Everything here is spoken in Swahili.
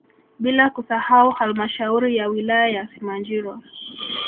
Bila kusahau halmashauri ya wilaya ya Simanjiro